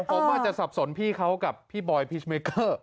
ผมอาจจะสับสนพี่เขากับพี่บอยพิชเมเกอร์